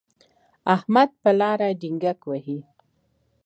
احمد په لاره ډینګګ وهي.